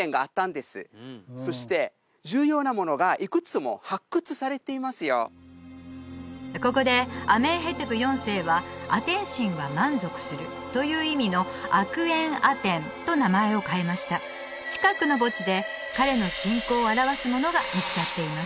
でもここでアメンヘテプ４世は「アテン神は満足する」という意味のアクエンアテンと名前を変えました近くの墓地で彼の信仰を表すものが見つかっています